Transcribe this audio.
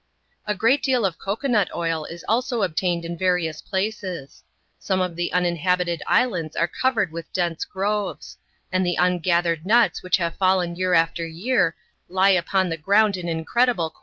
A great deal of cocoa nut oil is also obtained in various places. Some of the uninhabited islands are covered with dense groves ; and the ungathered nuts which have fallen year after year, lie upon the ground in incredible quantities.